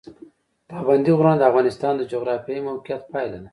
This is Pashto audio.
پابندی غرونه د افغانستان د جغرافیایي موقیعت پایله ده.